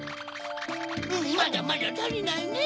まだまだたりないねぇ。